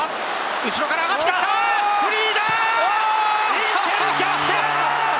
インテル逆転！